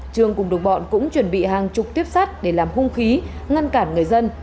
trường cùng đồng bọn cũng chuẩn bị hàng chục tiếp sát để làm hung khí ngăn cản người dân